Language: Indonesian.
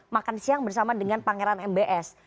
makan siang bersama dengan pangeran mbs